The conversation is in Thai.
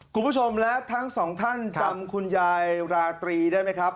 คุณผู้ชมและทั้งสองท่านจำคุณยายราตรีได้ไหมครับ